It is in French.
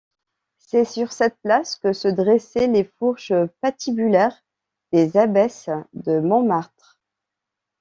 C'est sur cette place que se dressaient les fourches patibulaires des abbesses de Montmartre.